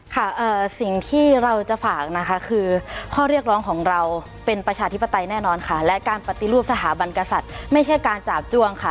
ค่ะสิ่งที่เราจะฝากนะคะคือข้อเรียกร้องของเราเป็นประชาธิปไตยแน่นอนค่ะและการปฏิรูปสถาบันกษัตริย์ไม่ใช่การจาบจ้วงค่ะ